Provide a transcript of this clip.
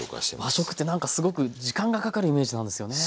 和食ってなんかすごく時間がかかるイメージなんですよね。